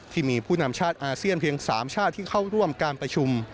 ที่มีผู้นำชาติอาเซียนเพียง๓ชาติที่เข้าร่วมการประชุม